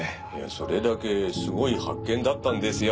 それだけすごい発見だったんですよ